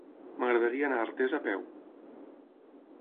M'agradaria anar a Artés a peu.